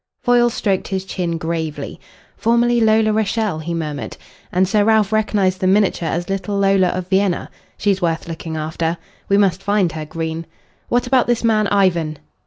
Foyle stroked his chin gravely. "Formerly Lola Rachael," he murmured. "And Sir Ralph recognised the miniature as little Lola of Vienna. She's worth looking after. We must find her, Green. What about this man Ivan?"